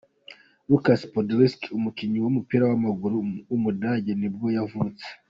Lukas Podolski, umukinnyi w’umupira w’amaguru w’umudage nibwo yavutse.